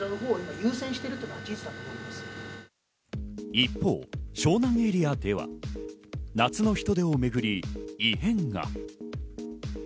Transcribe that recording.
一方、湘南エリアでは、夏の人出をめぐり異変が。